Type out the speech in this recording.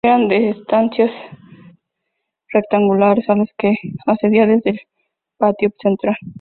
Eran estancias rectangulares a las que se accedía desde el patio central.